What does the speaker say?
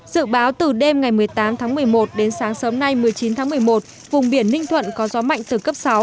dự báo từ đêm ngày một mươi tám tháng một mươi một đến sáng sớm nay một mươi chín tháng một mươi một vùng biển ninh thuận có gió mạnh từ cấp sáu